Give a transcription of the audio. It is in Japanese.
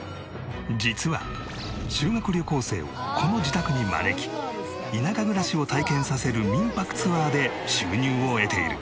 実は修学旅行生をこの自宅に招き田舎暮らしを体験させる民泊ツアーで収入を得ている。